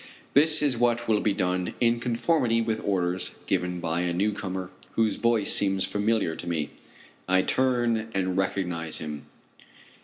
This is what will be done in conformity with orders given by a new comer whose voice seems familiar to me. I turn and recognize him.